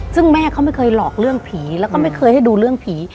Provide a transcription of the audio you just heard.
ซึ่งแม่เขาไม่เคยหลอกเรื่องผีแล้วก็ไม่เคยให้ดูเรื่องผี